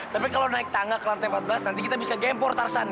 tapi kalau naik tangga ke lantai empat belas nanti kita bisa gempor tarsan